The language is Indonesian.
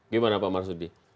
gimana pak marsudi